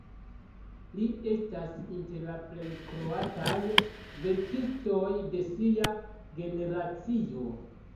Li estas inter la plej kroataj verkistoj de sia generacio.